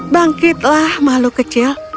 bangkitlah mahluk kecil